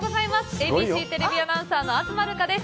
ＡＢＣテレビアナウンサーの東留伽です。